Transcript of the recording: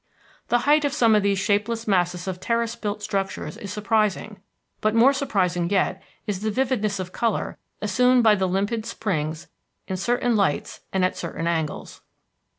The height of some of these shapeless masses of terrace built structures is surprising. But more surprising yet is the vividness of color assumed by the limpid springs in certain lights and at certain angles.